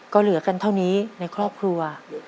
ก็เหลือกันเท่านี้ในครอบครัว